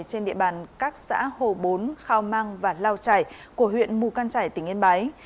trên địa bàn các xã hồ bốn khao mang và lao trải của huyện mù căng trải tỉnh yên bái